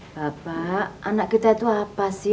bapak anak kita itu apa sih